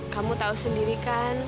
kamu tahu sendiri kan